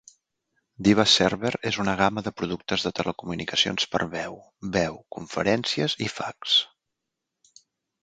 Diva Server és una gamma de productes de telecomunicacions per veu, veu, conferències i fax.